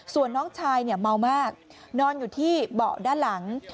ส่วนน้องชายเนี่ยเมามากนอนอยู่ที่เบาะด้านหลัง